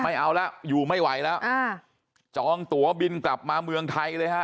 ไม่เอาแล้วอยู่ไม่ไหวแล้วอ่าจองตัวบินกลับมาเมืองไทยเลยฮะ